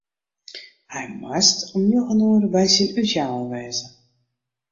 Hy moast om njoggen oere by syn útjouwer wêze.